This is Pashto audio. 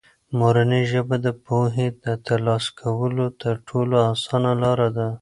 مورنۍ ژبه د پوهې د ترلاسه کولو تر ټولو اسانه لاره ده.